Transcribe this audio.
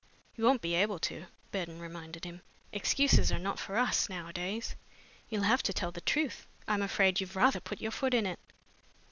"You won't be able to," Burton reminded him. "Excuses are not for us, nowadays. You'll have to tell the truth. I'm afraid you've rather put your foot in it."